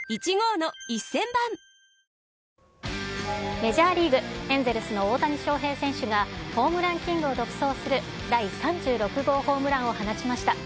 メジャーリーグ・エンゼルスの大谷翔平選手が、ホームランキングを独走する第３６号ホームランを放ちました。